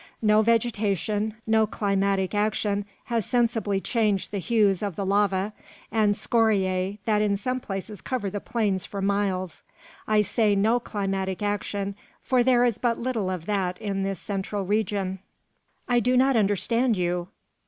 No vegetation, no climatic action has sensibly changed the hues of the lava and scoriae that in some places cover the plains for miles. I say no climatic action, for there is but little of that in this central region." "I do not understand you."